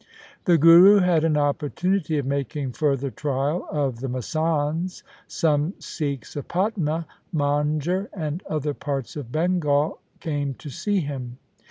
The Guru had an opportunity of making further trial of the masands. Some Sikhs of Patna, Manger, and other parts of Bengal came to see him.